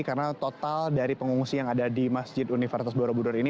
karena total dari pengungsi yang ada di masjid universitas borobudur ini